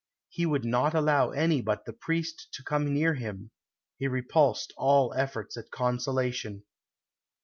He would not allow any but the priest to come near him; he repulsed all efforts at consolation.